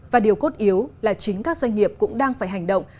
và điều cốt yếu là chính các doanh nghiệp cũng đang phải hành động